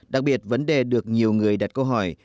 đặc biệt vấn đề được nhiều người đặt câu hỏi